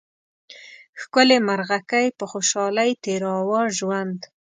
ښکلې مرغکۍ په خوشحالۍ تېراوه ژوند